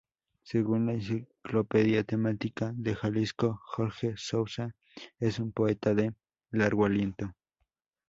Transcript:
Según la Enciclopedia Temática de Jalisco, “Jorge Souza es un poeta de largo aliento.